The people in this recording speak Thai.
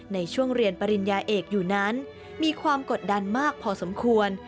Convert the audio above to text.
ในช่วงเรียนปริญญาเอกอยู่นั้นมีความกดดันมากพอสมควร